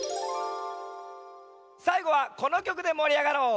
さいごはこのきょくでもりあがろう！